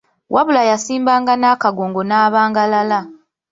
Wabula yasimbanga nakakongo n'abangalala.